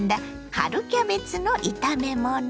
春キャベツの炒め物。